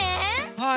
はい。